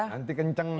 nanti kenceng nih